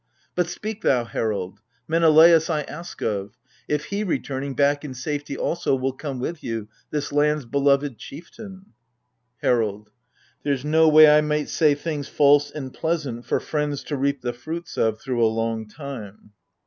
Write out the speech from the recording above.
But speak thou, herald ! Meneleos I ask of :. If he, returning, back in safety also Will come with you — this land's beloved chieftain ? HERALD. There's no way I might say things false and pleasant For friends to reap the fruits of through a long time.